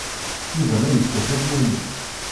Yuba la yekkat apyanu.